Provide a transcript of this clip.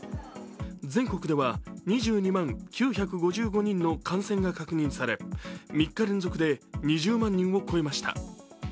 全国では２２万９５５人の感染が確認され３日連続で２０万人を超えました。